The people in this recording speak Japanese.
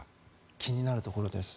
気になるところです。